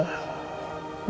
belum jelas kamu